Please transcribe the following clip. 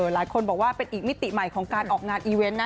หลายคนบอกว่าเป็นอีกมิติใหม่ของการออกงานอีเวนต์นะ